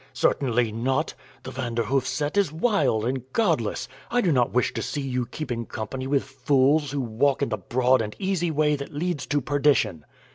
"Certainly not! The Vanderhoof set is wild and godless I do not wish to see you keeping company with fools who walk in the broad and easy way that leads to perdition."